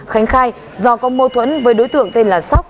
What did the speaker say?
khánh khai do có mâu thuẫn với đối tượng tên là sóc